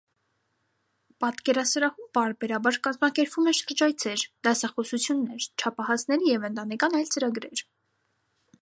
Պատկերասրահում պարբերաբար կազմակերպվում են շրջայցեր, դասախոսություններ, չափահասների և ընտանեկան այլ ծրագրեր։